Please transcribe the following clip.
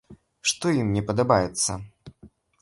Што ім не падабаецца?